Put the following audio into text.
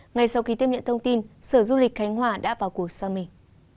ngay sau khi tiếp nhận thông tin sở du lịch khánh hòa đã vào cuộc xa mình